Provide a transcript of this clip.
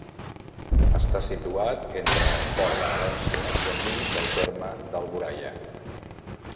Està situat entre el Port de València i el límit del terme d'Alboraia.